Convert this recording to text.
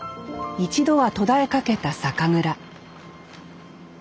一度は途絶えかけた酒蔵